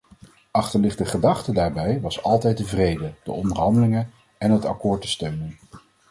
Achterliggende gedachte daarbij was altijd de vrede, de onderhandelingen en het akkoord te steunen.